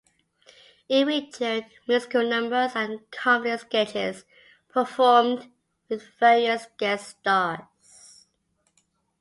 It featured musical numbers and comedy sketches performed with various guest stars.